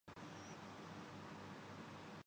تو اس نئی راہ کے ثمرات اس کا مقدر بن جاتے ہیں ۔